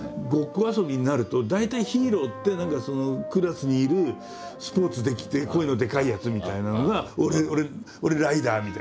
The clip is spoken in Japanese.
ごっこ遊びになると大体ヒーローって何かクラスにいるスポーツできて声のでかいやつみたいなのが「俺ライダー！」